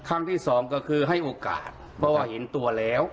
ครั้งที่สองก็คือให้โอกาสเพราะว่าเห็นตัวแล้ว